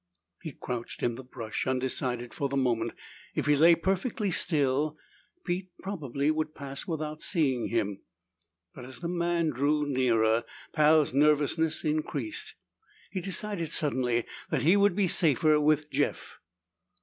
He crouched in the brush, undecided for the moment. If he lay perfectly still, Pete probably would pass without seeing him. But as the man drew nearer, Pal's nervousness increased. He decided suddenly that he would be safer with Jeff.